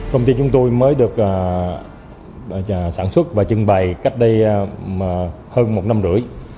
công ty chúng tôi mới được sản xuất và trưng bày cách đây hơn một năm rưỡi